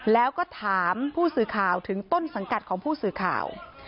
แล้วก็ถามผู้สื่อข่าวถึงต้นสังกัดของผู้สื่อข่าว